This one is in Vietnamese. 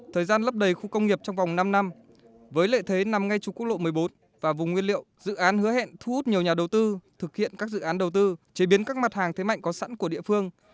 thời gian lấp đầy khu công nghiệp trong vòng năm năm với lợi thế nằm ngay trục quốc lộ một mươi bốn và vùng nguyên liệu dự án hứa hẹn thu hút nhiều nhà đầu tư thực hiện các dự án đầu tư chế biến các mặt hàng thế mạnh có sẵn của địa phương